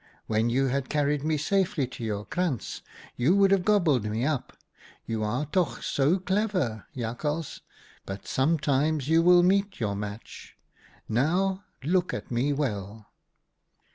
' When you had carried me safely to your krantz, you would have gobbled me up. You are toch so clever, Jakhals, but sometimes you will meet your match. Now, look at me well.'